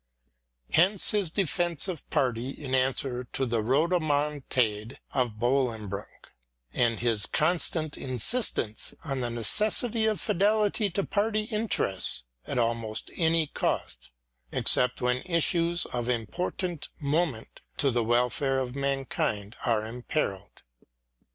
Hence his defence of party in answer to the rhodomontade of Bolingbroke, and his constant insistence on the necessity of fidelity to party interests at almost any cost, except when issues of important moment to the welfare of mankind are imperilled.